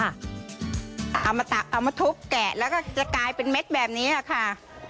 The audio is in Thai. เอามาทุบแกะแล้วก็จะกลายเป็นเม็ดแบบนี้ค่ะ